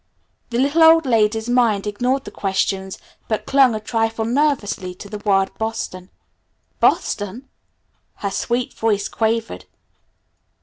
The little old lady's mind ignored the questions but clung a trifle nervously to the word Boston. "Boston?" her sweet voice quavered.